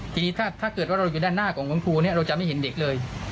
ทีนี้ถ้าเกิดว่าเราอยู่ด้านหน้าของคุณครูเนี่ยเราจะไม่เห็นเด็กเลย